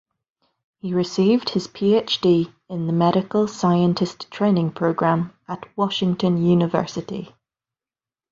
He received his PhD in the Medical Scientist Training Program at Washington University.